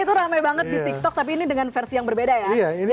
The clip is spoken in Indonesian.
itu rame banget di tiktok tapi ini dengan versi yang berbeda ya